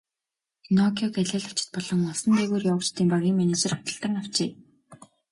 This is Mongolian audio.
Пиноккиог алиалагчид болон олсон дээгүүр явагчдын багийн менежер худалдан авчээ.